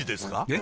え？